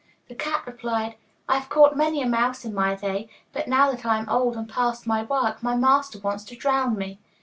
The cat replied, 'I have caught many a mouse in my day, but now that I am old and past work, my master wants to drown me.